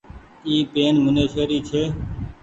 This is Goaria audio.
اي پين منيشي ري ڇي۔